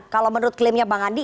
kalau menurut klaimnya bang andi